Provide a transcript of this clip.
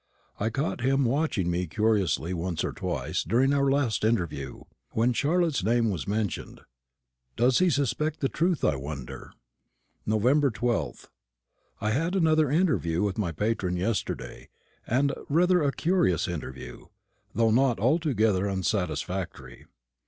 I caught him watching me curiously once or twice during our last interview, when Charlotte's name was mentioned. Does he suspect the truth, I wonder? Nov. 12th. I had another interview with my patron yesterday, and rather a curious interview, though not altogether unsatisfactory.